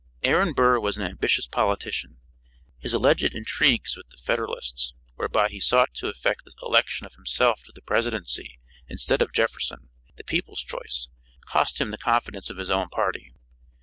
Aaron Burr was an ambitious politician. His alleged intrigues with the Federalists, whereby he sought to effect the election of himself to the presidency instead of Jefferson, the people's choice, cost him the confidence of his own party.